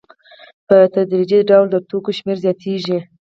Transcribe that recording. په تدریجي ډول د توکو شمېر زیاتېږي